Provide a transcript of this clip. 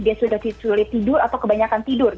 dia sudah sulit tidur atau kebanyakan tidur